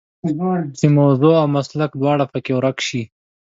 چې موضوع او مسلک دواړه په کې ورک شي.